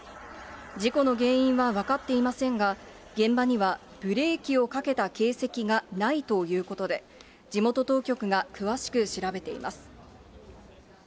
事故の原因は分かっていませんが、現場にはブレーキをかけた形跡がないということで、地元当局が詳しく調べています。